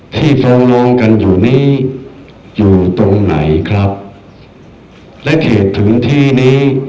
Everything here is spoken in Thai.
ที่ตกลงกันอยู่นี้อยู่ตรงไหนครับและเขตถึงที่นี้